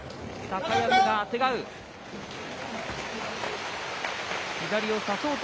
高安があてがう。